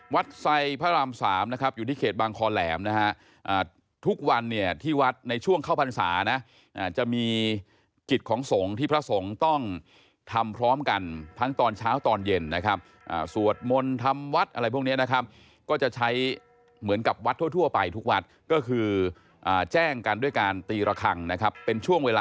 ไซพระราม๓นะครับอยู่ที่เขตบางคอแหลมนะฮะทุกวันเนี่ยที่วัดในช่วงเข้าพรรษานะจะมีกิจของสงฆ์ที่พระสงฆ์ต้องทำพร้อมกันทั้งตอนเช้าตอนเย็นนะครับสวดมนต์ทำวัดอะไรพวกนี้นะครับก็จะใช้เหมือนกับวัดทั่วไปทุกวัดก็คือแจ้งกันด้วยการตีระคังนะครับเป็นช่วงเวลา